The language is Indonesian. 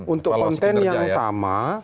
untuk konten yang sama